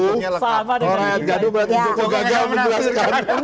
kalau rakyat gaduh berarti joko gagal menafsirkan